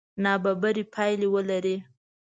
نابرابرې پایلې ولري.